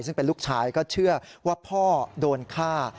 ซึ่งเป็นลูกชายก็เชื่อว่าพ่อโดนฆ่า